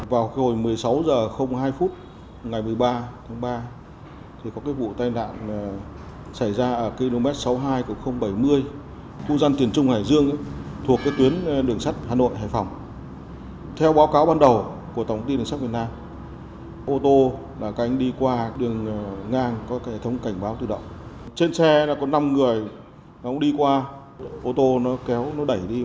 vào hồi một mươi sáu h hai phút ngày một mươi ba tháng ba thì có cái vụ tai nạn